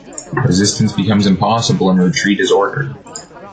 Resistance becomes impossible and retreat is ordered.